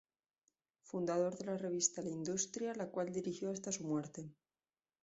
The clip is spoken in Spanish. Fundador de la revista "La Industria", la cual dirigió hasta su muerte.